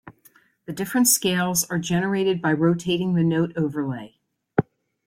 The different scales are generated by rotating the note overlay.